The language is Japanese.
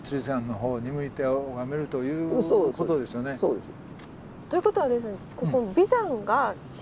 そうです。